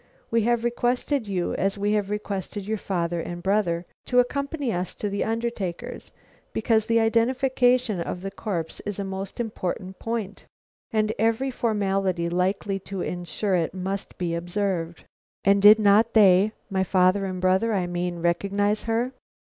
We have requested you, as we have requested your father and brother, to accompany us to the undertaker's, because the identification of the corpse is a most important point, and every formality likely to insure it must be observed." "And did not they my father and brother, I mean recognize her?"